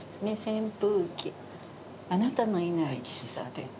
「扇風機あなたのいない喫茶店」って。